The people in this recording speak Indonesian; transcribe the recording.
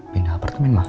pindah apartemen ma